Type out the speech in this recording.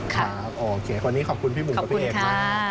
ครับโอเควันนี้ขอบคุณพี่บุ๋มกับพี่เอกมาก